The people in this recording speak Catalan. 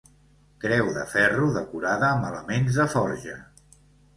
Creu de ferro decorada amb elements de forja.